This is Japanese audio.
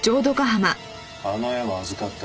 あの絵は預かった。